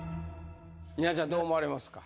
⁉稲ちゃんどう思われますか？